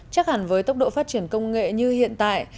chắc hẳn với tốc độ phát triển công nghệ như hiện tại